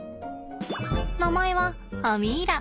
名前はアミ―ラ。